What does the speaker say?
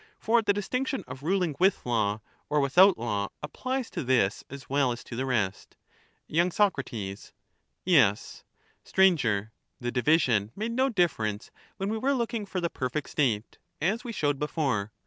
For the dis Statesman. tinction of ruling with law or without law, applies to this as sthancm, well as to the rest. ^SS^tis. y. Sac, Yes. Str. The division made no difference when we were looking for the perfect State, as we showed before.